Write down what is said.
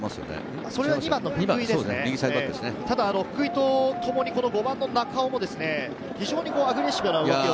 福井とともに５番の中尾も非常にアグレッシブな動きを。